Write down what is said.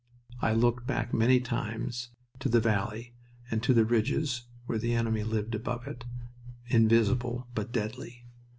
I looked back many times to the valley, and to the ridges where the enemy lived above it, invisible but deadly.